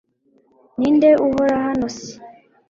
ninde uhari hano se